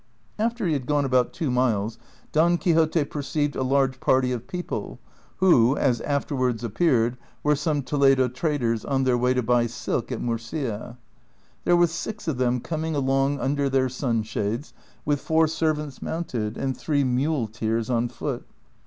After he had gone about two miles Don Quixote perceived a large party of people, Avho, as afterwards appeared, were some Toledo traders, on their way to buy silk at Murcia. There were six of them coming along under their sunshades, with four servants mounted, and three muleteers on foot.